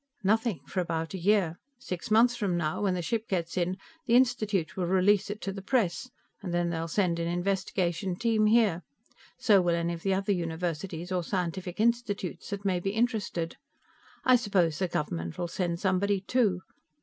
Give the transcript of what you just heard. "Nothing, for about a year. Six months from now, when the ship gets in, the Institute will release it to the press, and then they'll send an investigation team here. So will any of the other universities or scientific institutes that may be interested. I suppose the government'll send somebody, too.